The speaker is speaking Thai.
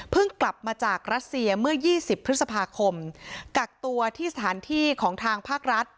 กลับมาจากรัสเซียเมื่อ๒๐พฤษภาคมกักตัวที่สถานที่ของทางภาครัฐ